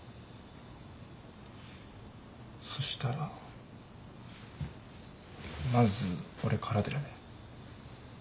そしたらまず俺からだよね。